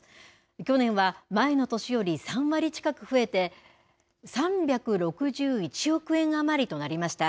去年は前の年より３割近く増えて３６１億円余りとなりました。